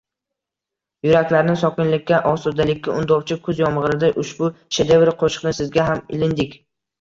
Yuraklarni sokinlikka, osudalikka undovchi kuz yomgʻirida ushbu shedevr qoʻshiqni sizga ham ilindik.